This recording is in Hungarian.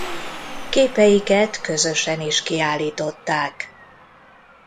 Képeiket közösen is kiállították.